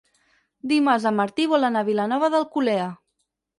Dimarts en Martí vol anar a Vilanova d'Alcolea.